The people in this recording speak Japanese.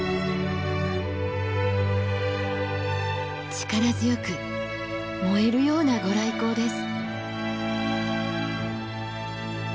力強く燃えるような御来光です。